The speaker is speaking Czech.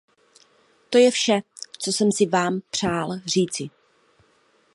To je vše, co jsem si vám přál říci.